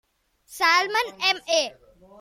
Salmon, M. A.